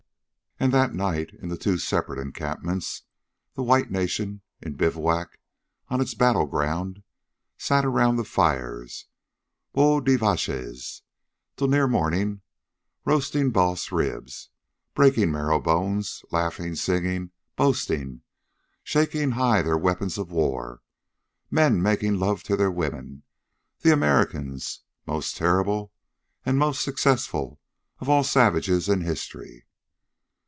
And that night, in the two separate encampments, the white nation, in bivouac, on its battle ground, sat around the fires of bois des vaches till near morning, roasting boss ribs, breaking marrowbones, laughing, singing, boasting, shaking high their weapons of war, men making love to their women the Americans, most terrible and most successful of all savages in history.